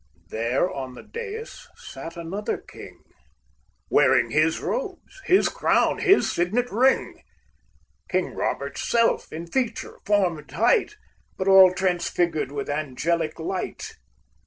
There on the dais sat another king, Wearing his robes, his crown, his signet ring, King Robert's self in feature, form and height, But all transfigured with angelic light.